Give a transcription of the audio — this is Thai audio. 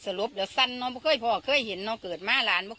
เอ๊ยสลบที่สันนอนเพราะว่าเคยเห็นนอนเกิดมาหลาน